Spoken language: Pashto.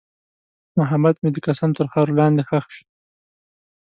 محبت مې د قسمت تر خاورو لاندې ښخ شو.